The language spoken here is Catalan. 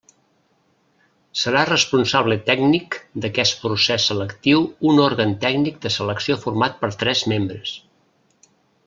Serà responsable tècnic d'aquest procés selectiu un òrgan tècnic de selecció format per tres membres.